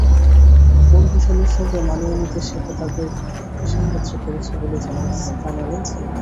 কন্ডিশনের সঙ্গে মানিয়ে নিতে সেটা তাদের সাহায্য করেছে বলে জানালেন সিমন্স।